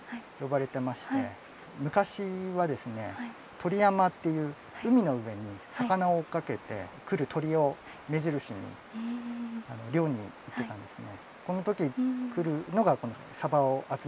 鳥山っていう海の上に魚を追っかけてくる鳥を目印に漁に行ってたんですね。